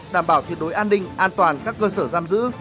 đảm bảo tuyệt đối an ninh an toàn các cơ sở giam giữ